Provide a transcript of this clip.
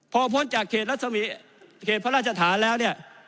พอพ้นจากเขตพระราชฐานแล้วเนี่ย